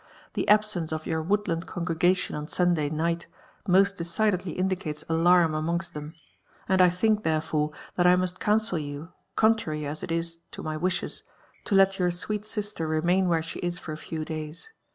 The absence of your woodland congregaiton on Sunday mght most decidedly indicales alarm amongst liiem; and i think, therefore, thdl 1 must counsel you, contrary as it is to my wishes, to let yoor 8W( et sister remain where she is for a few days.